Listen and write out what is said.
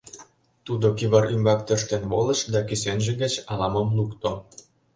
— Тудо кӱвар ӱмбак тӧрштен волыш да кӱсенже гыч ала мом лукто.